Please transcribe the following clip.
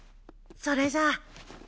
それじゃあ。